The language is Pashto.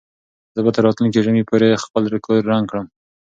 زه به تر راتلونکي ژمي پورې خپل کور رنګ کړم.